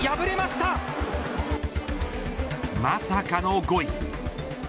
まさかの５位。